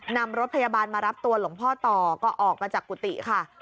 นำรถพยาบาลมารับตัวหลวงพ่อต่อก็ออกมาจากกุฏิค่ะ